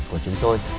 của chúng tôi